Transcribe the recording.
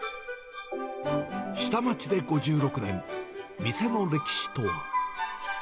下町で５６年、店の歴史とは。